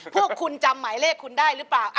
พวกคุณจำหมายเลขคุณได้หรือเปล่า